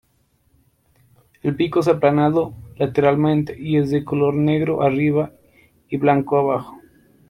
El pico es aplanado lateralmente, y es de color negro arriba y blanco abajo.